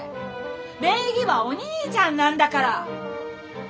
名義はお兄ちゃんなんだから。